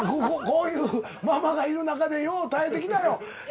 こういうママがいる中でよう耐えてきたよ